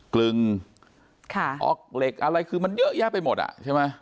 กลึงออกเหล็กอะไรคือมันเยอะแยะไปหมดอ่ะใช่ไหม